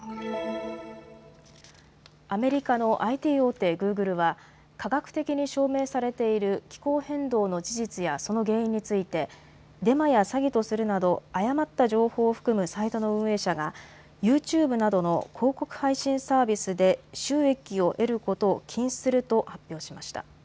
アメリカのＩＴ大手、グーグルは科学的に証明されている気候変動の事実やその原因についてデマや詐欺とするなど誤った情報を含むサイトの運営者がユーチューブなどの広告配信サービスで収益を得ることを禁止すると発表しました。